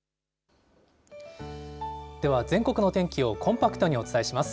では、全国の天気をコンパクトにお伝えします。